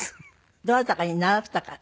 どなたかに習ったか。